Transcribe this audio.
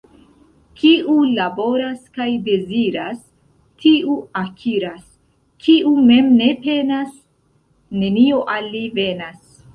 Kiu laboras kaj deziras, tiu akiras, — kiu mem ne penas, nenio al li venas.